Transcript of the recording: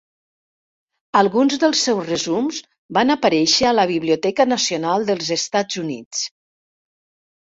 Alguns dels seus resums van aparèixer a la biblioteca nacional dels Estats Units.